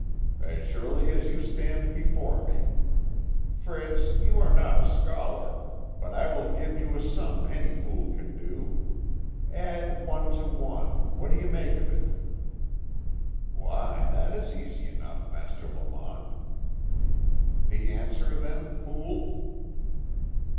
"As surely as you stand before me. Fritz, you are not a scholar, but I will give you a sum any fool can do. Add one to one what do you make of it?" "Why, that is easy enough, Master Lamont." "The answer then, fool?"